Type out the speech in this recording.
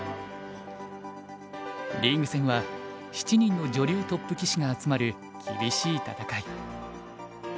リーグ戦は７人の女流トップ棋士が集まる厳しい戦い。